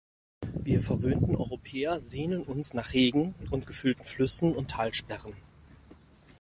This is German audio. Wir verwöhnten Europäer sehnen uns nach Regen und gefüllten Flüssen und Talsperren.